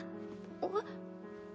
えっ？